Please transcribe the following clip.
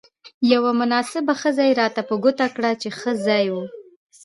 یوه مناسبه خزه يې راته په ګوته کړه، چې ښه ځای وو.